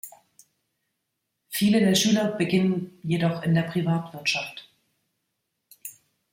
Viele der Schüler beginnen jedoch in der Privatwirtschaft.